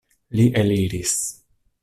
Li eliris.